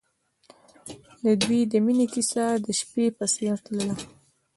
د دوی د مینې کیسه د شپه په څېر تلله.